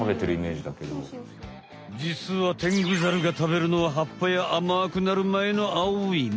じつはテングザルが食べるのは葉っぱやあまくなる前のあおい実。